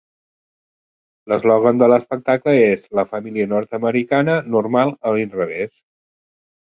L'eslògan de l'espectacle és "La família nord-americana normal a l'inrevés".